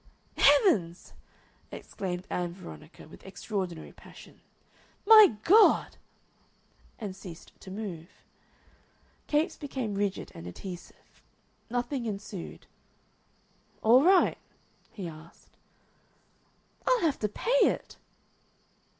"Heavens!" exclaimed Ann Veronica, with extraordinary passion. "My God!" and ceased to move. Capes became rigid and adhesive. Nothing ensued. "All right?" he asked. "I'll have to pay it."